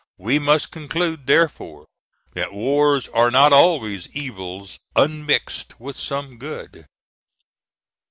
We must conclude, therefore, that wars are not always evils unmixed with some good.